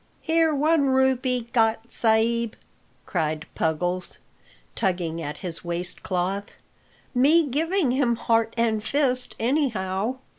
"Here one rupee got, sa'b," cried Puggles, tugging at his waist cloth. "Me giving him heart and fist, anyhow."